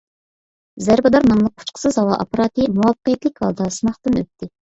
«زەربىدار» ناملىق ئۇچقۇچىسىز ھاۋا ئاپپاراتى مۇۋەپپەقىيەتلىك ھالدا سىناقتىن ئۆتتى.